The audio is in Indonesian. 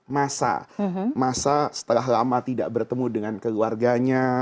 masa masa setelah lama tidak bertemu dengan keluarganya